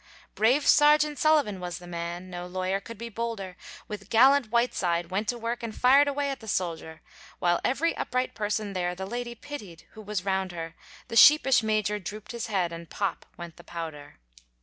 Brave Serjeant Sullivan was the man, No lawyer could be bolder, With gallant Whiteside went to work, And fired away at the soldier; While every upright person there The lady pitied, who was round her, The sheepish Major droop'd his head, And pop went the powder.